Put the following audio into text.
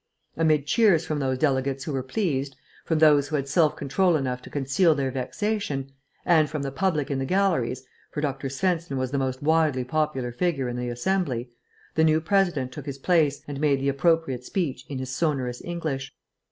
Amid cheers from those delegates who were pleased, from those who had self control enough to conceal their vexation, and from the public in the galleries (for Dr. Svensen was the most widely popular figure in the Assembly), the new President took his place and made the appropriate speech, in his sonorous English.